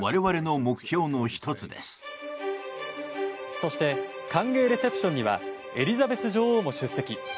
そして歓迎レセプションにはエリザベス女王も出席。